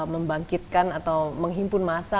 membangkitkan atau menghimpun masa